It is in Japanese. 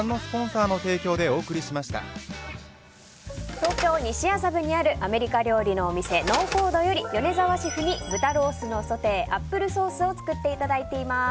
東京・西麻布にあるアメリカ料理のお店ノーコードより米澤シェフに豚ロースのソテーアップルソースを作っていただいています。